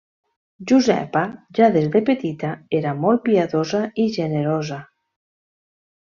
Josepa, ja des de petita, era molt piadosa i generosa.